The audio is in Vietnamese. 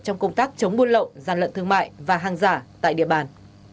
trong công tác chống buôn lậu gian lận thương mại và hàng giả tại địa bàn